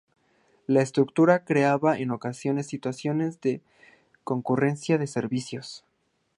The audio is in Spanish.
La estructura creaba en ocasiones situaciones de concurrencia de servicios.